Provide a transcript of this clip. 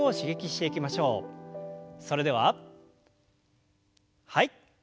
それでははい。